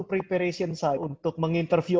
preparation saya untuk menginterview